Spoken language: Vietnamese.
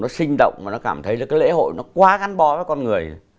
nó sinh động và nó cảm thấy là cái lễ hội nó quá gắn bó với con người